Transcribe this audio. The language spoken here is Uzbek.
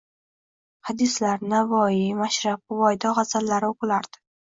Hadislar, Navoiy, Mashrab, Xuvaydo gʻazallari oʻqilardi